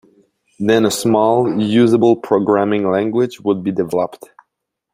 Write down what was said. Then a small, usable programming language would be developed.